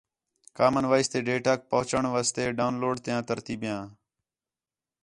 کامن وائس تے ڈیٹاک پُہنچݨ واسطے ڈاؤن لوڈ تیاں ترتیبیاں